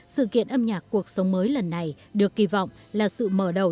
sự kiện âm nhạc cuộc sống mới lần này được kỳ vọng là sự mở đầu